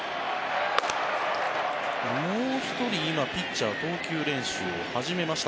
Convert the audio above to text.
もう１人、今、ピッチャー投球練習を始めました。